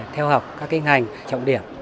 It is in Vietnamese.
theo học các kinh hành trọng điểm